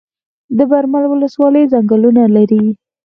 د برمل ولسوالۍ ځنګلونه لري